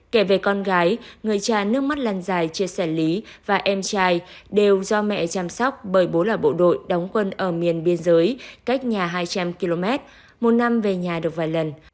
kể về con gái người cha nước mắt lần dài chia sẻ lý và em trai đều do mẹ chăm sóc bởi bố là bộ đội đóng quân ở miền biên giới cách nhà hai trăm linh km một năm về nhà được vài lần